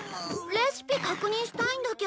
レシピ確認したいんだけど。